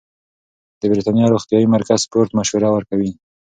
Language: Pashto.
د بریتانیا روغتیايي مرکز سپورت مشوره ورکوي.